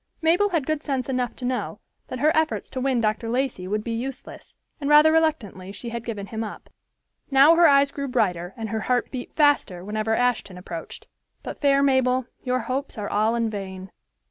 Mabel had good sense enough to know that her efforts to win Dr. Lacey would be useless, and rather reluctantly she had given him up. Now her eyes grew brighter and her heart beat faster whenever Ashton approached. But, fair Mabel, your hopes are all in vain.